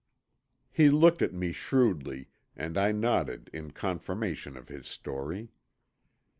He looked at me shrewdly and I nodded in confirmation of his story.